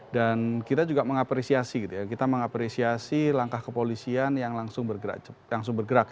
dan kita juga mengapresiasi kita mengapresiasi langkah kepolisian yang langsung bergerak